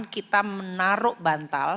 kita menaruh bantal